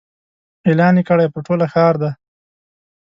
اعلان یې کړی پر ټوله ښار دی